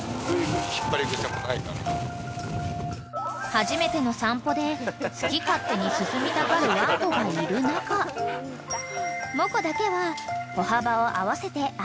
［初めての散歩で好き勝手に進みたがるワンコがいる中モコだけは歩幅を合わせて歩いてくれた］